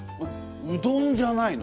うどんじゃないの？